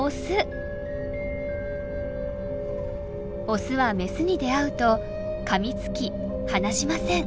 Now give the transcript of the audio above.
オスはメスに出会うとかみつき離しません。